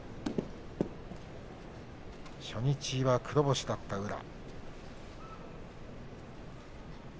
初日は黒星だった宇良。